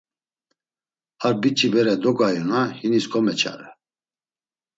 Ar biçi bere dogayuna hinis komeçare.